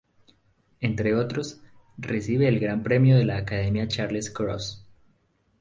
Entre otros, recibe el Gran Premio de la Academia Charles Cros.